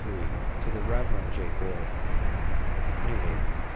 TO THE REV. J. BOYER. NEW HAVEN.